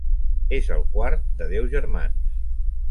És el quart de deu germans.